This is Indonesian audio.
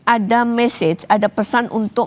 ada message ada pesan untuk